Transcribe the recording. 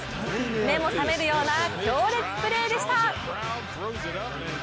目も覚めるような強烈プレーでした。